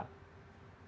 mau juga jadi pekerja